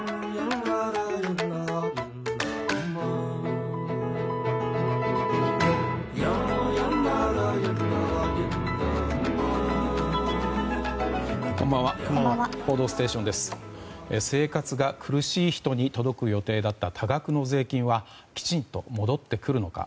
生活が苦しい人に届く予定だった多額の税金はきちんと戻ってくるのか。